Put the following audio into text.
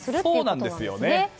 そうなんですよね。